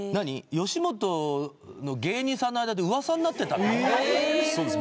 吉本の芸人さんの間で噂になってたってホント？